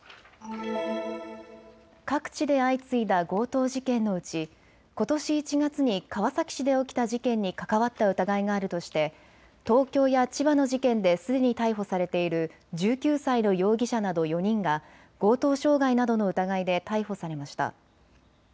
各地で相次いだ強盗事件のうちことし１月に川崎市で起きた事件に関わった疑いがあるとして東京や千葉の事件ですでに逮捕されている１９歳の容疑者など４人が強盗傷害などの疑いで逮捕されました。